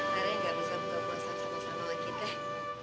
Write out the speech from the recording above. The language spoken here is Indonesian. rene gak bisa buka puasa sama sama lagi deh